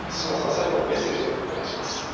最後にメッセージをお願いします。